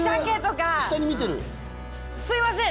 すみません！